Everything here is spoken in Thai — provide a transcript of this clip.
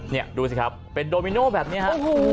นี่ดูสิครับเป็นโดมิโน่แบบนี้ฮะ